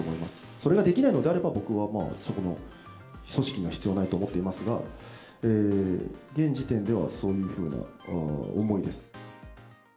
それができないのであれば、僕はそこの組織には必要ないと思っていますが、現時点ではそういうふうな思いです。